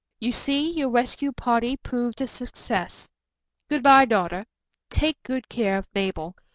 You see, your rescue party proved a success. Good bye, daughter. Take good care of Mabel.